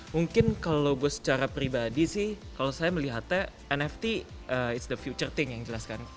mungkin kalau gue secara pribadi sih kalau saya melihatnya nft is the future thing yang jelaskan